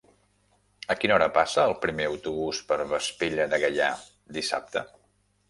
A quina hora passa el primer autobús per Vespella de Gaià dissabte?